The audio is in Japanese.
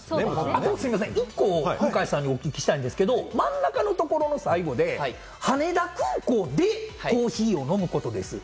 あと一個、向井さんにお聞きしたいのが真ん中のところの最後で、「羽田空港でコーヒーを飲むことです。」